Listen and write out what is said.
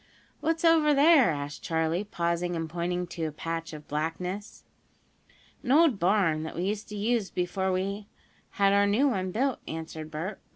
"What's over there?" asked Charley, pausing and pointing to a patch of blackness. "An old barn, that we used to use before we had our new one built," answered Bert.